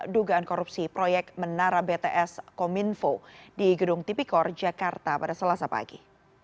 dugaan korupsi proyek menara bts kominfo di gedung tipikor jakarta pada selasa pagi